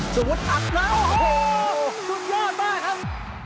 สวมพุทธอักษ์แล้วโอ้โหสุดยอดมากครับ